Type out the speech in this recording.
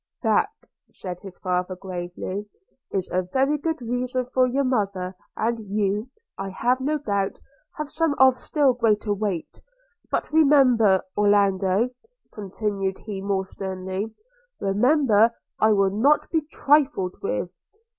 'That,' said his father gravely, 'is a very good reason for your mother; and you, I have no doubt, have some of still greater weight: – but remember, Orlando,' continued he more sternly, 'remember I will not be trifled with.